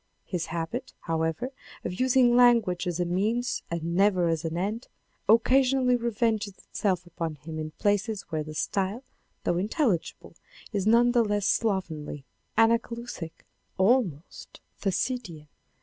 His habit, however, of using language as a means and never as an end, occasionally revenges itself upon him in places where the style, though intelligible, is none the less slovenly, anacoluthic, almost Thucydidean.